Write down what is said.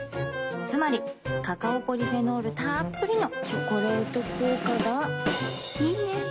つまりカカオポリフェノールたっぷりの「チョコレート効果」がいいね。